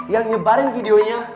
yang nyebarin videonya